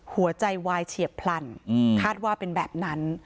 หัวใจวายเฉียบพลันคาดว่าเป็นแบบนั้น